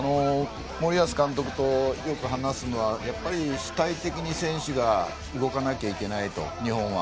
森保監督とよく話すのはやっぱり主体的に選手が動かなきゃいけないと、日本は。